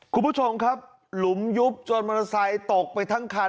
คุณผู้ชมครับหลุมยุบจนมอเตอร์ไซค์ตกไปทั้งคัน